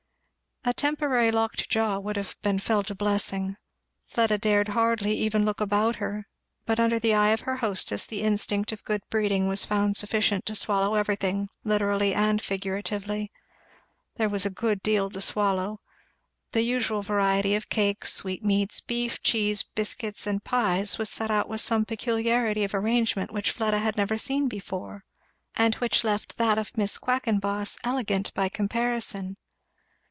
A temporary locked jaw would have been felt a blessing. Fleda dared hardly even look about her; but under the eye of her hostess the instinct of good breeding was found sufficient to swallow everything; literally and figuratively. There was a good deal to swallow. The usual variety of cakes, sweetmeats, beef, cheese, biscuits, and pies, was set out with some peculiarity of arrangement which Fleda had never seen before, and which left that of Miss Quackenboss elegant by comparison.